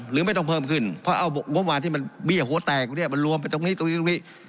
หรือไม่ต้องเพิ่มขึ้นเพราะเอางบมารที่มันเบี้ยหัวแตกเนี่ยมันรวมไปตรงนี้ตรงนี้ตรงนี้